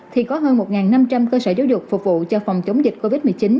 thì có hơn một năm trăm linh cơ sở giáo dục phục vụ cho phòng chống dịch covid một mươi chín